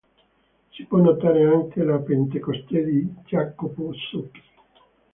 Si può notare anche la "Pentecoste" di Jacopo Zucchi.